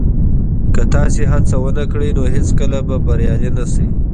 که تاسي هڅه ونه کړئ نو هیڅکله به بریالي نه شئ.